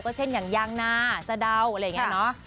ก็เช่นอย่างยางนาสะเดาอะไรอย่างนี้เนอะ